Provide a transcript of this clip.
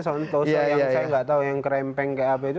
lucu kan santoso yang saya nggak tahu yang kerempeng kab itu